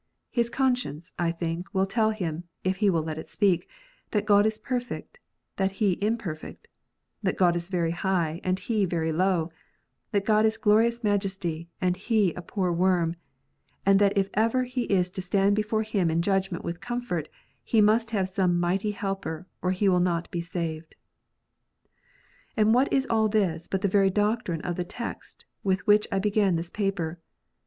His conscience, I think, will tell him, if he will let it speak, that God is perfect, and he im perfect ; that God is very high, and he very low ; that God is glorious majesty, and he a poor worm ; and that if ever he is to stand before Him in judgment with comfort, he must have some mighty Helper, or he will not be saved. And what is all this but the very doctrine of the text with which I began this paper